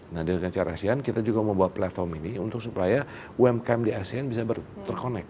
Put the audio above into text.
nah dengan cara asean kita juga membuat platform ini untuk supaya umkm di asean bisa terkonek